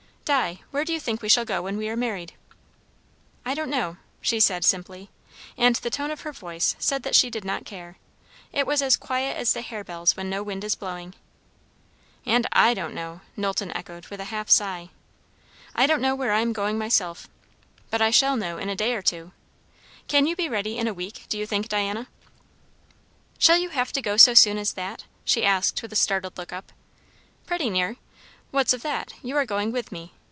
"Di, where do you think we shall go when we are married?" "I don't know," she said simply; and the tone of her voice said that she did not care. It was as quiet as the harebells when no wind is blowing. "And I don't know!" Knowlton echoed with a half sigh. "I don't know where I am going myself. But I shall know in a day or two. Can you be ready in a week, do you think, Diana?" "Shall you have to go so soon as that?" she asked with a startled look up. "Pretty near. What of that? You are going with me.